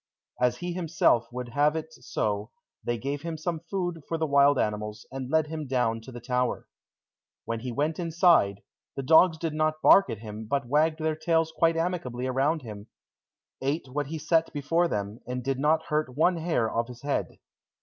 As he himself would have it so, they gave him some food for the wild animals, and led him down to the tower. When he went inside, the dogs did not bark at him, but wagged their tails quite amicably around him, ate what he set before them, and did not hurt one hair of his head.